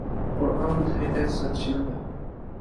قرآن د هدایت سرچینه ده.